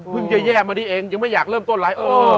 จะแย่มานี่เองยังไม่อยากเริ่มต้นอะไร